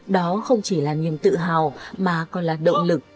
đó không chỉ là niềm tự hào mà còn là động lực